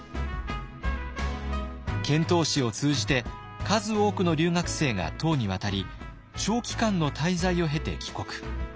遣唐使を通じて数多くの留学生が唐に渡り長期間の滞在を経て帰国。